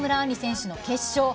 り選手の決勝。